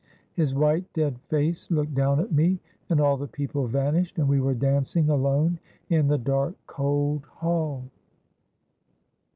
His white dead face looked down at me, and all the people vanished, and we were dancing alone in the dark cold hall.'